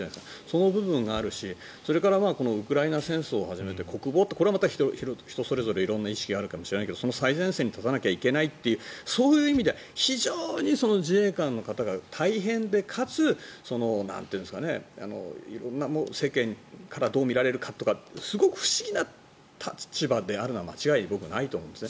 その部分があるし、それからこのウクライナ戦争をはじめ国防ってこれまた人それぞれ色んな意識があるかもしれないけど最前線に立たなきゃいけないという非常に自衛官の方が大変で、かつ世間からどう見られるかとかすごく不思議な立場であるのは僕は間違いないと思うんです。